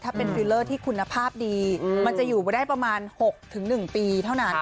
ถ้าเป็นฟิลเลอร์ที่คุณภาพดีอืมมันจะอยู่ไว้ได้ประมาณหกถึงหนึ่งปีเท่านั้น